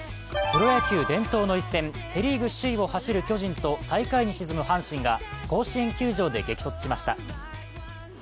プロ野球伝統の一戦、セ・リーグ首位を走る巨人と最下位に沈む阪神が甲子園球場で激突しました。